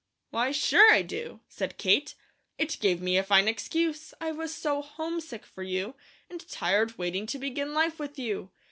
"Why, SURE I do," said Kate. "It gave me a fine excuse. I was so homesick for you, and tired waiting to begin life with you.